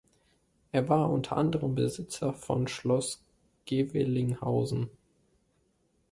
Er war unter anderem Besitzer von Schloss Gevelinghausen.